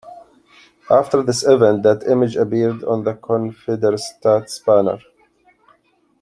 After this event, that image appeared on the Confedersats' Banner.